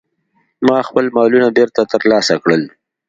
ما خپل مالونه بیرته ترلاسه کړل.